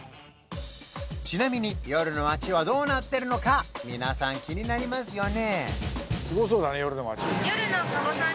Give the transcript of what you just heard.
ちなみに夜の街はどうなってるのか皆さん気になりますよね？